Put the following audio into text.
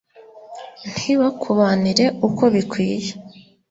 ntibakubanire uko bikwiye